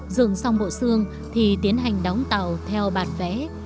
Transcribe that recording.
dừng xong bộ xương thì tiến hành đóng tàu theo bản vẽ